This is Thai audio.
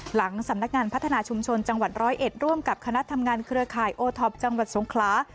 หลังสำนักงานพัฒนาชุมชนจังหวัดร้อยเอ็ดร่วมกับคณะทำงานเครือข่ายโอท็อปจังหวัดสงคลา